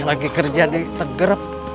lagi kerja di tegerep